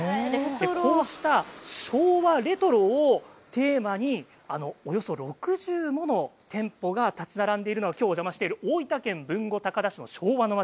こうした昭和レトロをテーマにおよそ６０もの店舗が立ち並んでいるのがきょうお邪魔している大分県、豊後高田市の昭和の町。